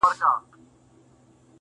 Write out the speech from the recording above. ګلاب یو او چا لاره کښې کرلي يو جانانه